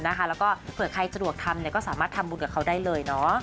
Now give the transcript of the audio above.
แล้วก็เผื่อใครสะดวกทำก็สามารถทำบุญกับเขาได้เลย